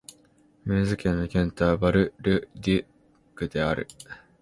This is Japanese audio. ムーズ県の県都はバル＝ル＝デュックである